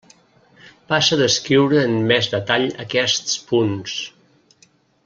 Passe a descriure en més detall aquests punts.